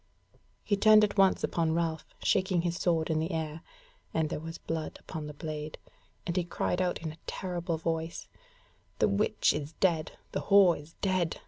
He turned at once upon Ralph, shaking his sword in the air (and there was blood upon the blade) and he cried out in terrible voice: "The witch is dead, the whore is dead!